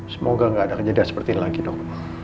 semoga gak ada kejadian seperti ini lagi dok